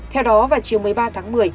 theo đó vào chiều một mươi ba tháng một mươi